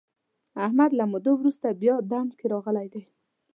احمد له مودو ورسته بیا دم کې راغلی دی.